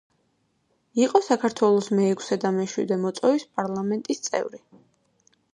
იყო საქართველოს მეექვსე და მეშვიდე მოწვევის პარლამენტის წევრი.